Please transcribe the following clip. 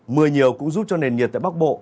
mưa nhiều cũng giúp cho nền nhiệt tại bắc bộ